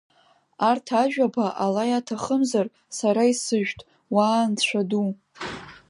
Арҭ ажәаба, ала иаҭахымзар, сара исышәҭ, уаа анцәа ду!